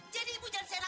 jadi ibu jangan sayang aku